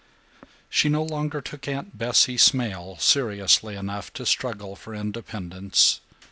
She no longer took Aunt Bessie Smail seriously enough to struggle for independence.